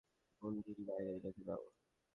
মঞ্জুরী, বাইরে রেখে দাও।